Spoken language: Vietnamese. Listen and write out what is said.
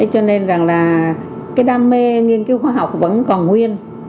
cho nên rằng là cái đam mê nghiên cứu khoa học vẫn còn nguyên